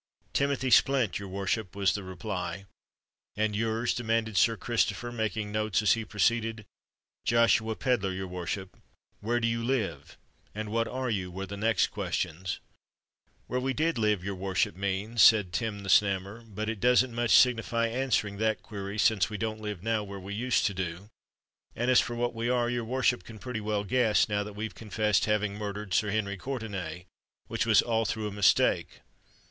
"Timothy Splint, your worship," was the reply. "And your's?" demanded Sir Christopher, making notes as he proceeded. "Joshua Pedler, your worship." "Where do you live?—and what are you?" were the next questions. "Where we did live, your worship means," said Tim the Snammer; "but it doesn't much signify answering that query—since we don't live now where we used to do; and as for what we are, your worship can pretty well guess, now that we've confessed having murdered Sir Henry Courtenay—which was all through a mistake."